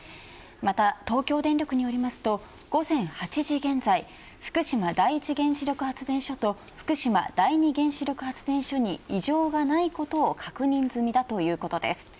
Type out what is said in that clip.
また、東京電力によりますと午前８時現在福島第一原子力発電所と福島第二原子力発電所に異常がないことを確認済だということです。